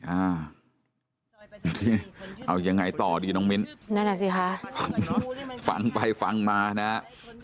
อ่าเอายังไงต่อดีน้องมิ้นนั่นอ่ะสิคะฟังไปฟังมานะฮะ